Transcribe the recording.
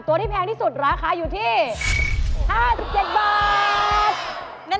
ตัวที่แพงที่สุดราคาอยู่ที่๕๗บาท